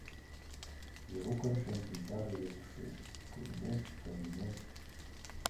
Верукын шем шинчаже весештеш: кугемеш, келгемеш.